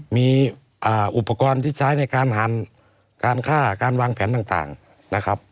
มีอุปกรณ์ที่ใช้ในการหั่นการฆ่าการวางแผนต่างนะครับ